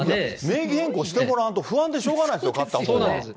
名義変更してもらわんと、不安でしょうがないですよ、買ったそうなんです。